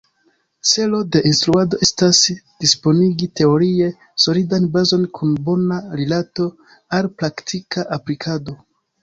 Celo de instruado estas disponigi teorie solidan bazon kun bona rilato al praktika aplikado.